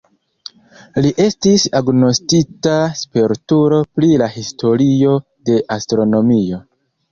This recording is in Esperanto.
Li estis agnoskita spertulo pri la historio de astronomio.